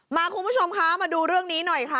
คุณผู้ชมคะมาดูเรื่องนี้หน่อยค่ะ